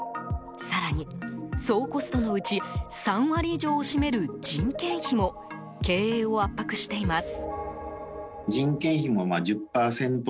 更に、総コストのうち３割以上を占める人件費も経営を圧迫しています。